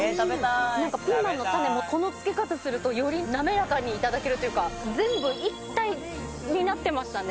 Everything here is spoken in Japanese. なんかピーマンの種も、この漬け方すると、より滑らかに頂けるというか、全部一体になってましたね。